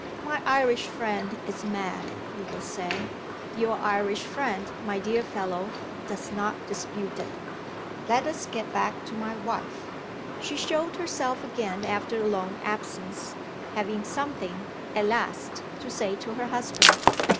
My Irish friend is mad you will say. Your Irish friend, my dear follow, does not dispute it. Let us get back to my wife. She showed herself again after a long absence, having something (at last) to say to her husband.